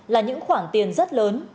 là những khoản tiền rất lớn